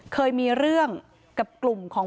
เคยมีเรื่องกับกลุ่มของ